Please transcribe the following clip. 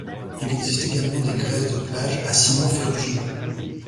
Il existe également des grès de plage à ciment ferrugineux.